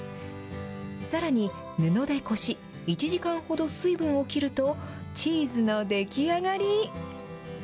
さらに、布でこし、１時間ほど水分を切ると、チーズの出来上がり。